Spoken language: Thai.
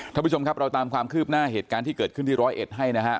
ท่านผู้ชมครับเราตามความคืบหน้าเหตุการณ์ที่เกิดขึ้นที่ร้อยเอ็ดให้นะฮะ